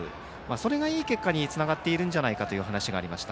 それがいい結果につながっているんじゃないかという話がありました。